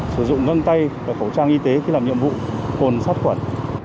sử dụng ngân tay và khẩu trang y tế khi làm nhiệm vụ cồn sát khuẩn